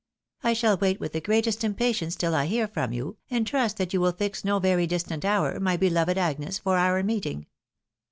I shall wait with the greatest impatience till I hear from you, and trust that you will fix no very distant hour, my beloved Agnes, for our meeting.